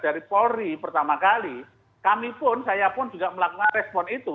dari polri pertama kali kami pun saya pun juga melakukan respon itu